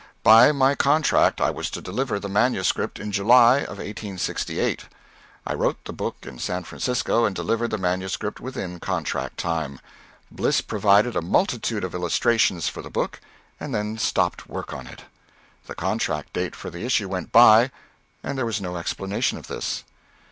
By my contract I was to deliver the manuscript in July of 1868. I wrote the book in San Francisco and delivered the manuscript within contract time. Bliss provided a multitude of illustrations for the book, and then stopped work on it. The contract date for the issue went by, and there was no explanation of this.